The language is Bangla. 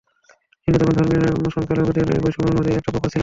কিন্তু তখন ধর্মীয় সংখ্যালঘুদের মনে বৈষম্যের অনুভূতি এতটা প্রখর ছিল না।